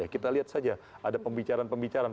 kita lihat saja ada pembicaraan pembicaraan